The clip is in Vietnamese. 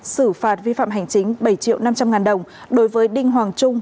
xử phạt vi phạm hành chính bảy triệu năm trăm linh ngàn đồng đối với đinh hoàng trung